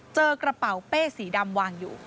เจอกระเป๋าเป้สีดำวางอยู่